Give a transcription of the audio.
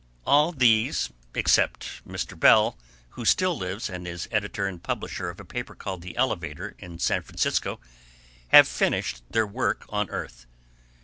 All these (save Mr. Bell, who still lives, and is editor and publisher of a paper called the "Elevator," in San Francisco) have finished their work on earth.